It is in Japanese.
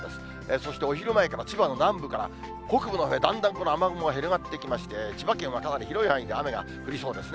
そしてお昼前から千葉の南部から北部のほうへだんだんこの雨雲が広がっていきまして、千葉県はかなり広い範囲で雨が降りそうですね。